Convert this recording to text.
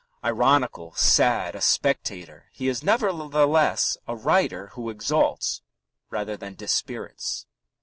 Ironical, sad, a spectator, he is nevertheless a writer who exalts rather than dispirits.